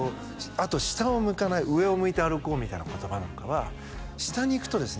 あと「下を向かない上を向いて歩こう」みたいな言葉なんかは下にいくとですね